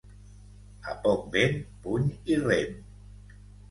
A poc vent, puny i rem.